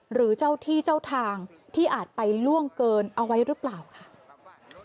หรือเจ้าที่เจ้าทางที่อาจไปล่วงเกินเอาไว้หรือเปล่าค่ะ